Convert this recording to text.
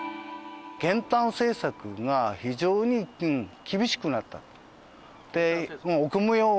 減反政策が非常に厳しくなったと。